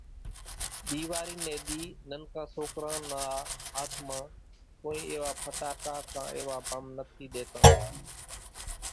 ۮيواري ني ۮي ننڪان سوڪران نا ھاٿ مان ڪونئين ايوا ڦٽاڪا ڪان ايوا ڀم نٿي ۮيتان۔